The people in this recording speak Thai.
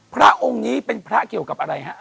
พระองค์นี้เป็นพระเกี่ยวกับอะไรฮะ